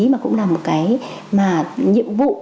mà cũng là một cái nhiệm vụ